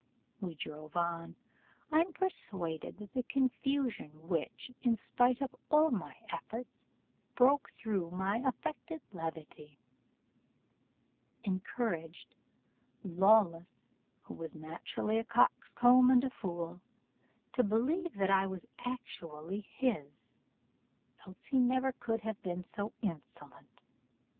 We drove on: I'm persuaded that the confusion which, in spite of all my efforts, broke through my affected levity, encouraged Lawless, who was naturally a coxcomb and a fool, to believe that I was actually his, else he never could have been so insolent.